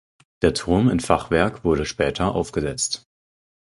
Der Turm in Fachwerk wurde später aufgesetzt.